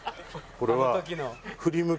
これは。